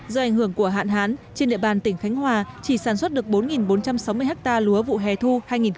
do ảnh hưởng của hạn hán trên địa bàn tỉnh khánh hòa chỉ sản xuất được bốn bốn trăm sáu mươi ha lúa vụ hè thu hai nghìn hai mươi